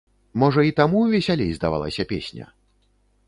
Можа, і таму весялей здавалася песня?